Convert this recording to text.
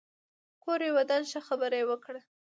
کور يې ودان ښه خبره يې وکړه